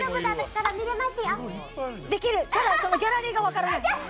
けどギャラリーが分からない。